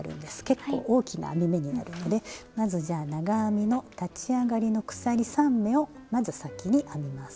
結構大きな編み目になるのでまずじゃあ長編みの立ち上がりの鎖３目をまず先に編みます。